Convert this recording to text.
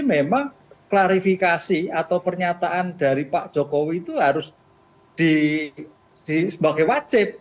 memang klarifikasi atau pernyataan dari pak jokowi itu harus sebagai wajib